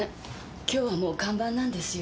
今日はもう看板なんですよ。